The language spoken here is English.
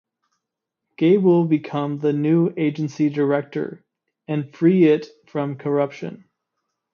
Gabe will become the new Agency director, and free it from corruption.